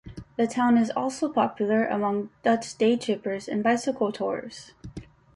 The town is also popular among Dutch day-trippers and bicycle tourers.